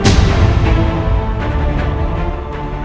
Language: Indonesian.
untuk menjelaskan diri kepada rakyat raja jahat